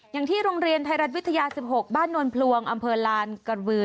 อย่างที่โรงเรียนไทยรัฐวิทยา๑๖บ้านนวลพลวงอำเภอลานกระบือ